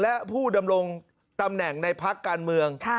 และผู้ดำรงตำแหน่งในพักการเมือง